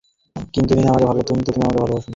কিন্তু আমি তোমাকে ভালোবাসি।